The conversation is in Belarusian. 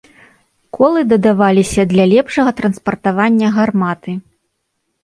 Колы дадаваліся для лепшага транспартавання гарматы.